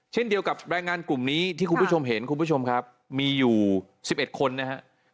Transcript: เช่นเดียวกับแรงงานกลุ่มนี้ที่คุณผู้ชมเห็นคุณผู้ชมครับมีอยู่๑๑คนนะครับ